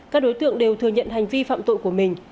các đối tượng đều thừa nhận hành vi phạm tội của mình